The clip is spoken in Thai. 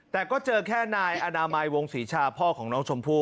แต่ก็เจอแค่นายอนามัยวงศรีชาพ่อของน้องชมพู่